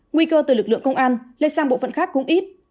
nguy cơ từ lực lượng công an lên sang bộ phận khác cũng ít